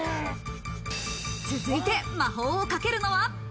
続いて魔法をかけるのは。